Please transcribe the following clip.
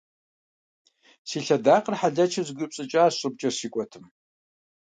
Си лъэдакъэр хьэлэчу зэгуиупщӏыкӏащ щӏыбкӏэ сщикӏуэтым.